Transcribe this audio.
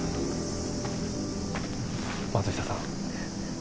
松下さん。